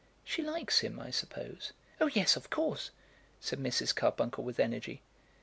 "She likes him, I suppose?" "Oh, yes, of course," said Mrs. Carbuncle with energy.